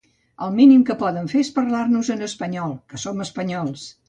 El mínim que poden fer és parlar-nos en espanyol, que som espanyols.